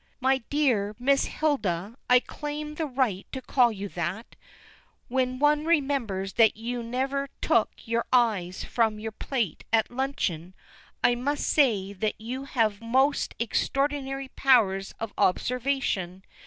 "My dear Miss Hilda, I claim the right to call you that, when one remembers that you never took your eyes from your plate at luncheon I must say that you have most extraordinary powers of observation.